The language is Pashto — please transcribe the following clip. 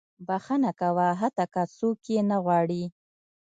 • بښنه کوه، حتی که څوک یې نه غواړي.